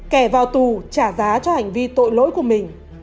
kẻ vào tù trả giá cho hành vi tội lỗi của mình